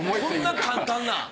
こんな簡単な。